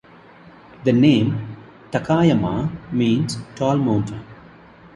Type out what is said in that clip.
The name 'Takayama' means 'tall mountain'.